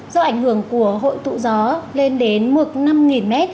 do ảnh hưởng của hội tụ gió lên đến mực năm m